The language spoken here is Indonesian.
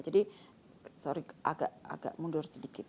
jadi sorry agak mundur sedikit